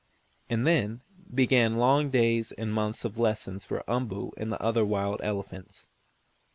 And then began long days and months of lessons for Umboo and the other wild elephants.